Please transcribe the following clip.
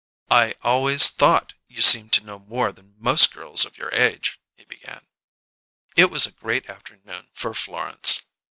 "I always thought you seemed to know more than most girls of your age," he began. It was a great afternoon for Florence.